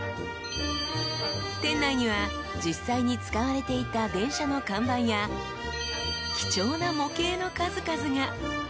［店内には実際に使われていた電車の看板や貴重な模型の数々が］